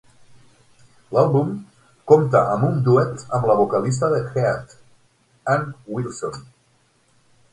L'àlbum compta amb un duet amb la vocalista de Heart, Ann Wilson.